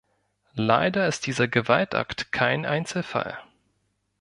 Leider ist dieser Gewaltakt kein Einzelfall.